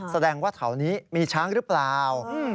แสดงว่าแถวนี้มีช้างหรือเปล่า